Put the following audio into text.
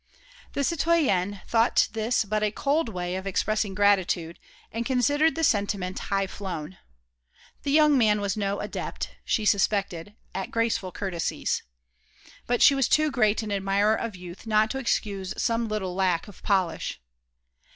The citoyenne thought this but a cold way of expressing gratitude and considered the sentiment high flown. The young man was no adept, she suspected, at graceful courtesies. But she was too great an admirer of youth not to excuse some little lack of polish.